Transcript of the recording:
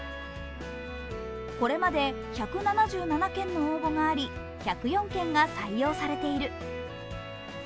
これまで１７７件の応募があり、１０４件が採用されている。